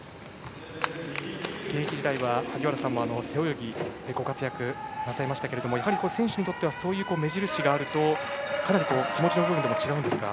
現役時代は萩原さんは背泳ぎでご活躍なさいましたが選手にとってはそういう目印があるとかなり気持ちの部分でも違うんですか？